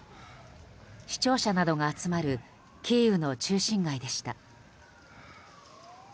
市庁舎などが集まるキーウの中心街でした。